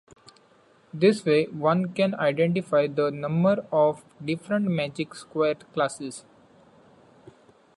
This way one can identify the number of different magic square classes.